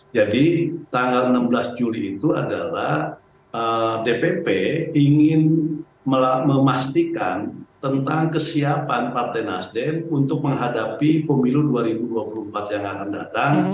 jadi tanggal enam belas juli itu adalah dpp ingin memastikan tentang kesiapan partai nasdem untuk menghadapi pemilu dua ribu dua puluh empat yang akan datang